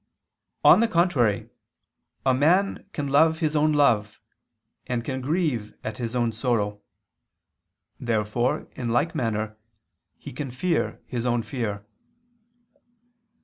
On the contrary, A man can love his own love, and can grieve at his own sorrow. Therefore, in like manner, he can fear his own fear.